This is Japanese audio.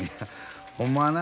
ほんまはな